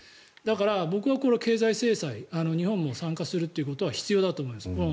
だから、僕はこれは経済制裁日本も参加するということは必要だと思います。